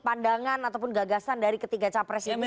pandangan ataupun gagasan dari ketiga capres ini seperti apa